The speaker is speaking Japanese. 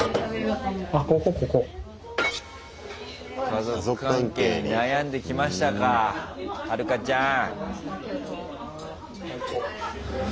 家族関係に悩んできましたかはるかちゃん。